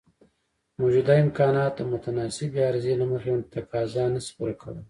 موجوده امکانات د متناسبې عرضې له مخې تقاضا نشي پوره کولای.